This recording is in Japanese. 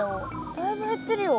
だいぶ減ってるよ。